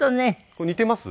これ似ています？